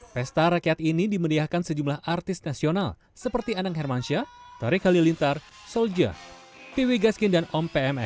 pesta rakyat ganjar pranowo